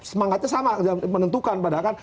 semangatnya sama menentukan padahal kan